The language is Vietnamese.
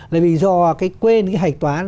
là vì do quên hành toán